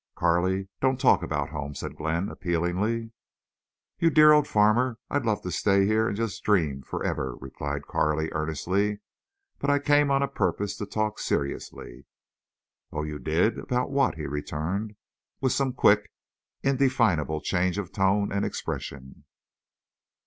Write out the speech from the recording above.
"Carley, don't talk about home," said Glenn, appealingly. "You dear old farmer, I'd love to stay here and just dream—forever," replied Carley, earnestly. "But I came on purpose to talk seriously." "Oh, you did! About what?" he returned, with some quick, indefinable change of tone and expression.